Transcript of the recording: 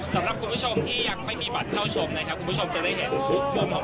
พระเกียรติพิราเงสของเฉลือวัดถ่ายภาพ